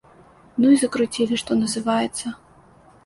Ну і закруцілі, што называецца.